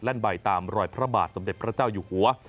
ใบตามรอยพระบาทสมเด็จพระเจ้าอยู่หัว